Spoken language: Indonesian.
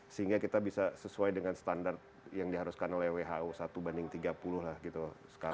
sehingga kita bisa sesuai dengan standar yang diharuskan oleh who satu banding tiga puluh lah gitu sekarang